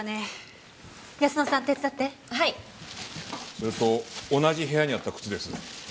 それと同じ部屋にあった靴です。